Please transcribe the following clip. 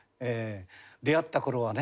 出会った頃はね